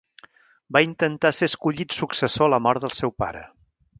Va intentar ser escollit successor a la mort del seu pare.